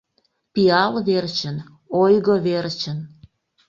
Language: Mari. Пиал верчын, ойго верчын